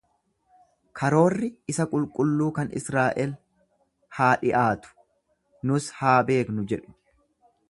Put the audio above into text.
Karoorri isa qulqulluu kan Israa'el haa dhi'aatu, nus haa beeknu jedhu.